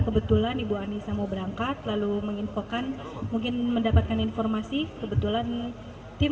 kebetulan ibu anissa mau berangkat lalu menginfokan mungkin mendapatkan informasi kebetulan tim